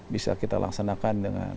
bisa kita laksanakan dengan